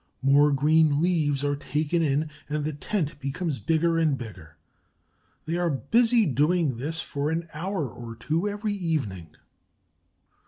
More green leaves are taken in, and the tent becomes bigger and bigger. They are busy doing this for an hour or two every evening.